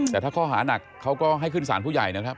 แต่ถ้าข้อหานักเขาก็ให้ขึ้นสารผู้ใหญ่นะครับ